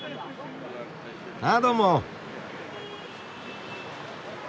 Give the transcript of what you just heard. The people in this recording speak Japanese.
ああどうも！